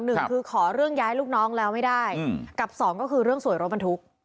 หนึ่งคือขอเรื่องย้ายลูกน้องแล้วไม่ได้กับสองก็คือเรื่องสวยรถบรรทุก